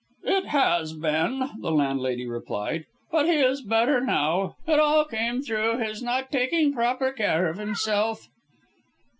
"It has been," the landlady replied, "but he is better now. It all came through his not taking proper care of himself."